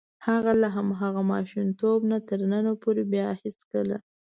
هغه له هماغه ماشومتوب نه تر ننه پورې بیا هېڅکله.